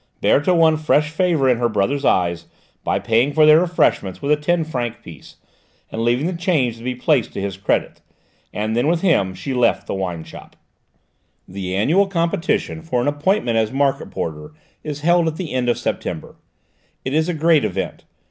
Berthe won fresh favour in her brother's eyes by paying for their refreshments with a ten franc piece and leaving the change to be placed to his credit, and then with him she left the wineshop. The annual competition for an appointment as Market Porter is held at the end of September. It is a great event.